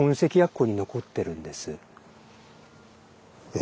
え？